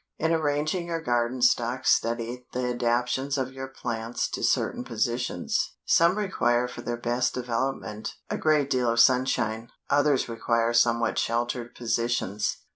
In arranging your garden stock study the adaptions of your plants to certain positions. Some require for their best development, a great deal of sunshine, others require somewhat sheltered positions.